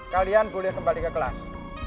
kalian boleh kembali ke kelas